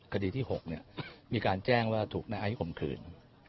คดีที่๖มีการแจ้งว่าถูกไนไอฮมคืน